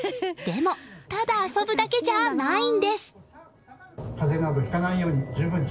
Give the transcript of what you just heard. でも、ただ遊ぶだけじゃないんです。